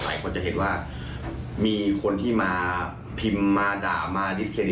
หลายคนจะเห็นว่ามีคนที่มาพิมพ์มาด่ามาดิสเทน